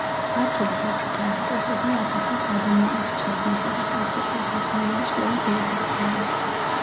ქართული საბჭოთა ენციკლოპედია ასახავს ადამიანის ცოდნისა და პრაქტიკული საქმიანობის ყველა ძირითად სფეროს.